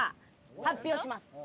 発表します。